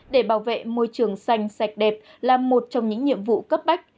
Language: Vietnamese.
để bảo vệ môi trường xanh sạch đẹp là một trong những nhiệm vụ cấp bách